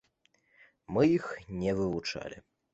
Мы іх не вывучалі.